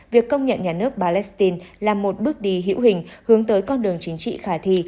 việc công nhận nhà nước palestine là một bước đi hữu hình hướng tới con đường chính trị khả thi